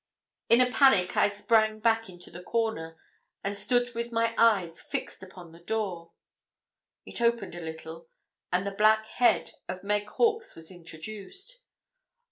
In a panic I sprang back into the corner, and stood with my eyes fixed upon the door. It opened a little, and the black head of Meg Hawkes was introduced.